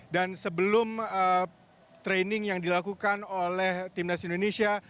dan sebelum training yang dilakukan oleh timnas indonesia